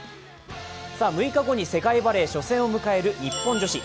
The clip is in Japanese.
６日後に世界バレー初戦を迎える日本女子。